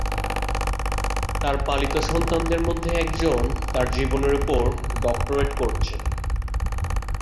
তার পালিত সন্তানদের মধ্যে একজন তার জীবনের ওপর ডক্টরেট করছেন।